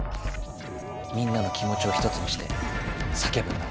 みんなの気もちをひとつにしてさけぶんだ。